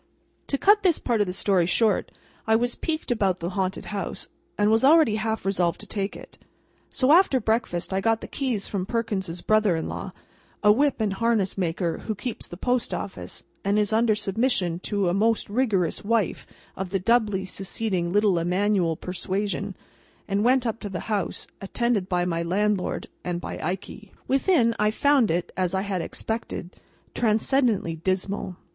To cut this part of the story short, I was piqued about the haunted house, and was already half resolved to take it. So, after breakfast, I got the keys from Perkins's brother in law (a whip and harness maker, who keeps the Post Office, and is under submission to a most rigorous wife of the Doubly Seceding Little Emmanuel persuasion), and went up to the house, attended by my landlord and by Ikey. Within, I found it, as I had expected, transcendently dismal.